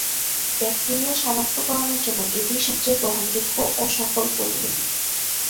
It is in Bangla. ব্যাকটেরিয়া শনাক্তকরণের জন্য এটিই সবচেয়ে গ্রহণযোগ্য ও সফল পদ্ধতি।